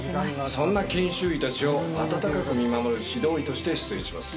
そんな研修医たちを、温かく見守る指導医として出演します。